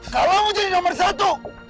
kalau mau jadi nomor satu